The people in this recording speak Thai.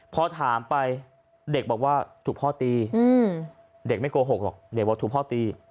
พอถามไปเด็กบอกว่าถูกพ่อตีเด็กไม่โกหกหรอกเด็กบอกถูกพ่อตี